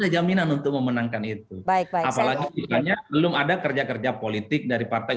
kelemenan untuk memenangkan itu baik baik apalagi banyak belum ada kerja kerja politik dari partai